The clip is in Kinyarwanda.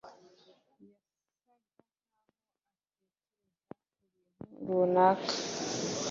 yasaga nkaho atekereza kubintu runaka.